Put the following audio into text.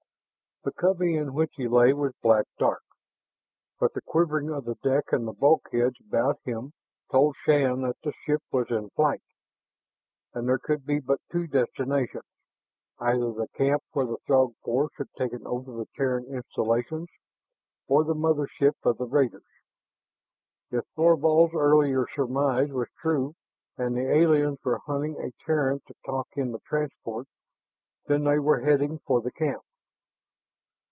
The cubby in which he lay was black dark. But the quivering of the deck and the bulkheads about him told Shann that the ship was in flight. And there could be but two destinations, either the camp where the Throg force had taken over the Terran installations or the mother ship of the raiders. If Thorvald's earlier surmise was true and the aliens were hunting a Terran to talk in the transport, then they were heading for the camp.